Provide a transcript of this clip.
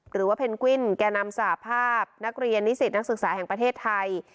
หรือว่าเพนกวินแก่นำสหภาพนักเรียนนิสิตนักศึกษาแห่งประเทศไทย